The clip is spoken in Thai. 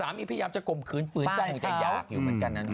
อาทิตย์๓นี้พยายามจะกลมคืนฝืนใจถูกจัดหยาบอยู่เหมือนกันนั้น